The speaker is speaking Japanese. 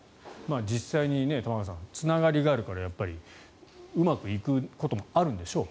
実際に玉川さんつながりがあるからうまくいくこともあるんでしょう